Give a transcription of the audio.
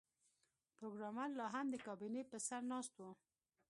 پروګرامر لاهم د کابینې پر سر ناست و